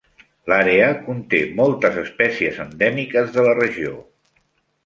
L'àrea conté moltes espècies endèmiques de la regió.